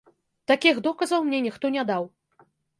Такіх доказаў мне ніхто не даў.